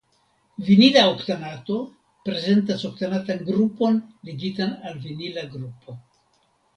Vinila oktanato prezentas oktanatan grupon ligitan al vinila grupo.